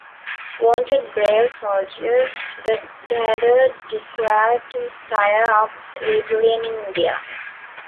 "Wanted brave soldiers", the Ghadar declared, "to stir up rebellion in India.